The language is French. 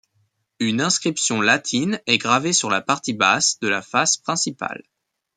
Une inscription latine est gravée sur la partie basse de la face principale.